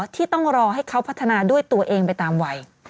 ที่ต้องรอให้เขาพัฒนาด้วยตัวเองไปตามวัย